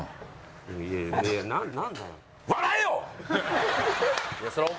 いやいやなんだよ！